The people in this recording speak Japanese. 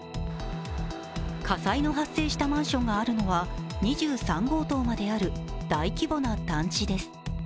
火災の発生したマンションがあるのは２３号棟まである大規模な団地です。